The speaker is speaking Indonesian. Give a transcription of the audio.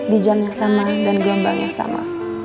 di jam yang sama dan gombang yang sama